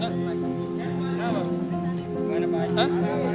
tapi saya nggak kenal sama kalian benar kan